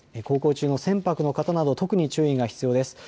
航行中の船舶の方など特に注意が必要です。